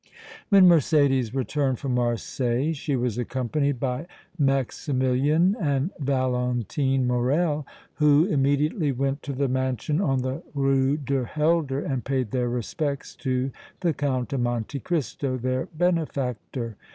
When Mercédès returned from Marseilles she was accompanied by Maximilian and Valentine Morrel, who immediately went to the mansion on the Rue du Helder and paid their respects to the Count of Monte Cristo, their benefactor.